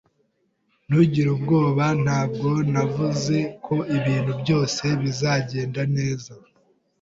[S] Ntugire ubwoba. Ntabwo navuze ko ibintu byose bizagenda neza?